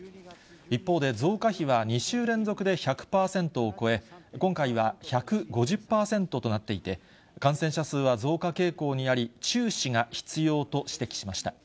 一方で増加比は２週連続で１００％を超え、今回は１５０％となっていて、感染者数は増加傾向にあり、注視が必要と指摘しました。